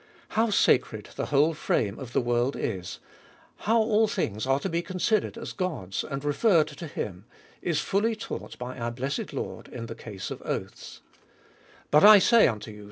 How sacred the whole frame of the world is, how all things are to be considered as God's, and referred to him, is fully taught by our blessed Lord in the case of oaths : But I say unto you.